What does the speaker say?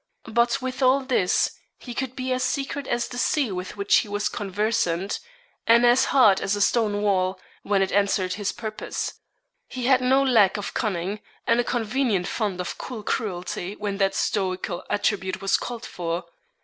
But, with all this, he could be as secret as the sea with which he was conversant, and as hard as a stonewall, when it answered his purpose. He had no lack of cunning, and a convenient fund of cool cruelty when that stoical attribute was called for.